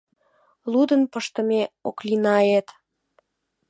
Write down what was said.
Лудын пыштыме Оклинает.